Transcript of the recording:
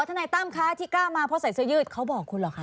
ทนายตั้มคะที่กล้ามาเพราะใส่เสื้อยืดเขาบอกคุณเหรอคะ